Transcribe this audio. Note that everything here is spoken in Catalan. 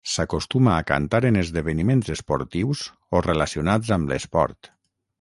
S'acostuma a cantar en esdeveniments esportius o relacionats amb l'esport.